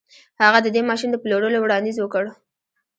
هغه د دې ماشين د پلورلو وړانديز وکړ.